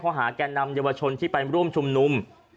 เขาให้เอาไปหนำเยาวชนที่ไปร่วมชมนุม